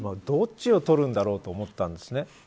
どっちを取るんだろうと思ったんですね。